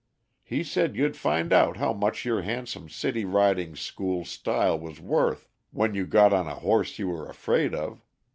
He said you'd find out how much your handsome city riding school style was worth when you got on a horse you were afraid of.